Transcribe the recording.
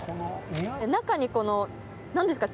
中にこの何ですか？